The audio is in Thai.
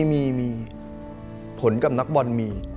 มีผลกับนักบอลมี